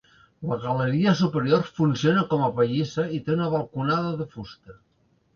La galeria superior funciona com a pallissa i té una balconada de fusta.